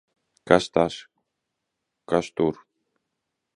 Kas tas! Kas tur!